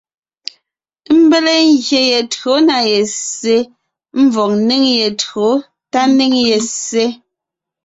Ḿbéle ngyè ye tÿǒ na ye ssé (ḿvɔg ńnéŋ ye tÿǒ tá ńnéŋ ye ssé).